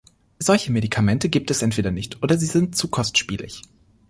Solche Medikamente gibt es entweder nicht oder sie sind zu kostspielig.